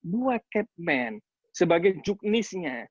dua cat man sebagai juknis ini